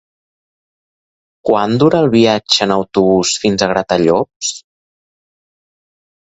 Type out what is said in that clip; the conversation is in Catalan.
Quant dura el viatge en autobús fins a Gratallops?